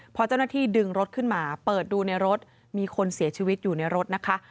พอเจ้าหน้าที่ดึงรถขึ้นมาเปิดดูในรถมีคนเสียชีวิตอยู่ในรถนะคะ